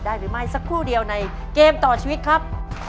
หรือไม่สักครู่เดียวในเกมต่อชีวิตครับ